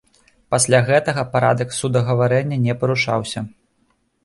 Пасля гэтага парадак судагаварэння не парушаўся.